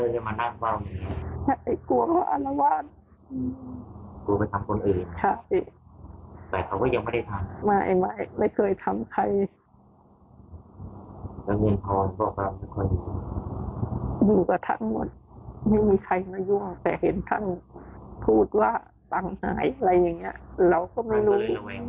อยู่กับท่านหมดไม่มีใครมายุ่งแต่เห็นท่านพูดว่าตังค์หายอะไรอย่างเงี้ยเราก็ไม่รู้